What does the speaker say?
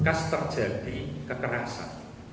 bekas terjadi kekerasan